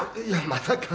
まさか。